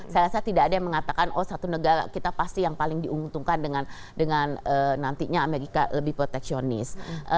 saya rasa tidak ada yang mengatakan oh satu negara kita pasti yang paling diuntungkan dengan nantinya amerika lebih proteksionis